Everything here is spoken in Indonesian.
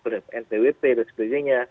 ber npwp dan sebagainya